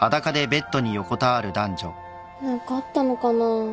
何かあったのかな？